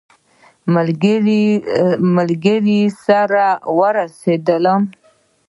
ملګري سره ورسېدلم.